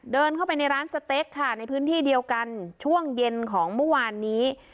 เดินเข้าไปในร้านสเต็กค่ะในพื้นที่เดียวกันช่วงเย็นของเมื่อวานนี้